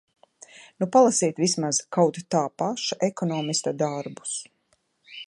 Nu palasiet vismaz kaut tā paša ekonomista darbus.